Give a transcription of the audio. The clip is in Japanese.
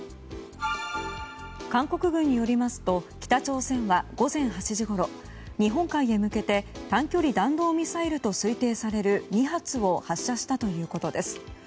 韓国軍によりますと北朝鮮は午前８時ごろ日本海へ向けて短距離弾道ミサイルと推定される発射したということです。